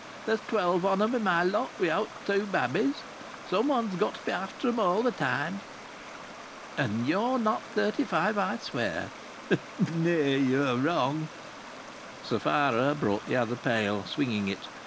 "There's twelve of 'em in my lot, without th' two babbies. Someone's got to be after 'em all the time." "And you not thirty five, I swear!" "Nay! Ye're wrong." Sapphira brought the other pail, swinging it.